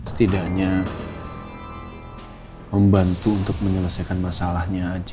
setidaknya membantu untuk menyelesaikan masalahnya